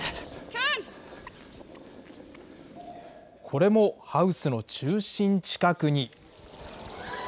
これもハウスの中心近くに。